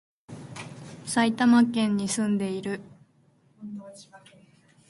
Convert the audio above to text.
埼玉県に、住んでいる